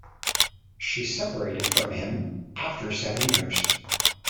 She separated from him after seven years.